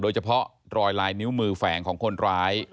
โดยเฉพาะรอยลายนิ้วมือแฝงของคนร้าย